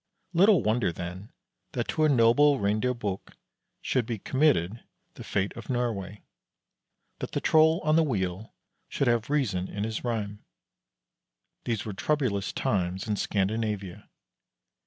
Little wonder, then, that to a noble Reindeer Buk should be committed the fate of Norway: that the Troll on the wheel should have reason in his rhyme. These were troublous times in Scandinavia.